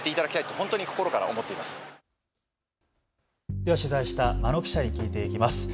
では取材した眞野記者に聞いていきます。